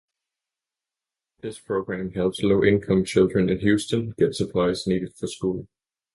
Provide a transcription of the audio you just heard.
The program helps low income children in Houston get supplies needed for school.